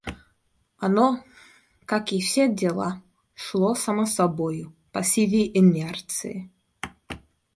Оно, как и все дела, шло само собою, по силе инерции.